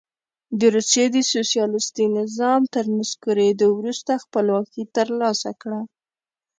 د روسیې د سوسیالیستي نظام تر نسکورېدو وروسته خپلواکي ترلاسه کړه.